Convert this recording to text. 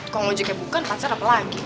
kau ngujuknya bukan pacar apa lagi